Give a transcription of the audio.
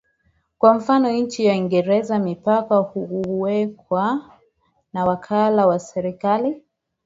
Kwa mfano nchini Uingereza mipaka huwekwa na wakala wa serikali